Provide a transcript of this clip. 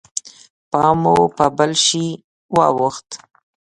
پام مو په بل شي واوښت.